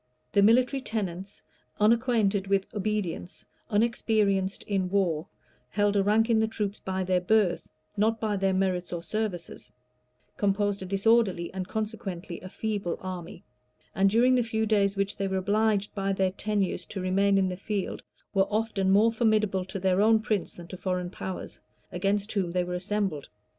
The military tenants, unacquainted with obedience, unexperienced in war, held a rank in the troops by their birth, not by their merits or services; composed a disorderly and consequently a feeble army; and during the few days which they were obliged by their tenures to remain in the field, were often more formidable to their own prince than to foreign powers, against whom they were assembled.